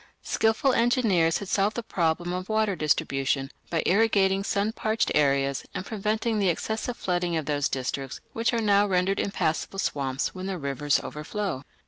Skilful engineers had solved the problem of water distribution by irrigating sun parched areas and preventing the excessive flooding of those districts which are now rendered impassable swamps when the rivers overflow.